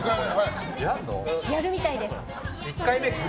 やるみたいです。